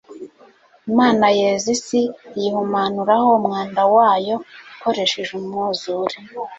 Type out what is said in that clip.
imana yeza isi, iyihumanuraho umwanda wayo ikoresheje umwuzure